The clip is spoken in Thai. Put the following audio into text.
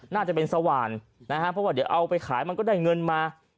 น่าจะเป็นสว่านนะฮะเพราะว่าเดี๋ยวเอาไปขายมันก็ได้เงินมา